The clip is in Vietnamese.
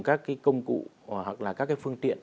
các cái công cụ hoặc là các cái phương tiện